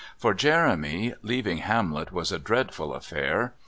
For Jeremy, leaving Hamlet was a dreadful affair.